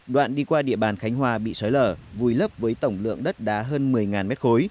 đoạn đi qua địa bàn khánh hòa bị sói lở vùi lấp với tổng lượng đất đá hơn một mươi m ba